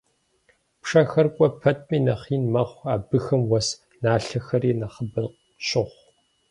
Пшэхэр кӀуэ пэтми нэхъ ин мэхъу, абыхэм уэс налъэхэри нэхъыбэ щохъу.